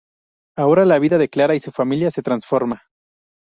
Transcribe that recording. Ahora la vida de Clara y su familia se transforma.